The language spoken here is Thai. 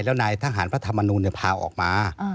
แล้วนายทหารพระธรรมนูลพาออกมา